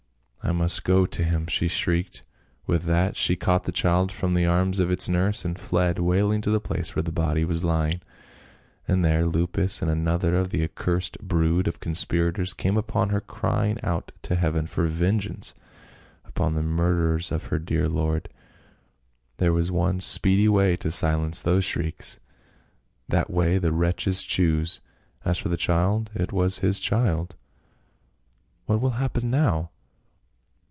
' I must go to him !' she shrieked ; with that she caught the child from the arms of its nurse and fled waihng to the place where the body was lying. And there Lupus and another of the accursed brood of con spirators came upon her crying out to heaven for vengeance upon the murderers of her dear lord. There was one speedy way to silence those shrieks, that way the wretches chose. As for the child; it was his child." "What will happen now?"